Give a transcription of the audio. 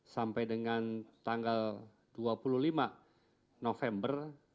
sampai dengan tanggal dua puluh lima november